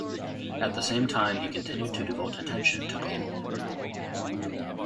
At the same time he continued to devote attention to Gaul.